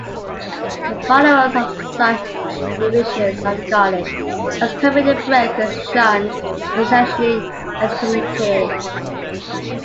The followers of such divisions are regarded as Covenant-breakers and shunned, essentially excommunicated.